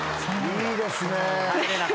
いいですね。